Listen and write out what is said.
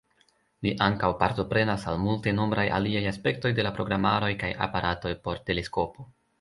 Li ankaŭ partoprenas al multenombraj aliaj aspektoj de la programaroj kaj aparatoj por teleskopo.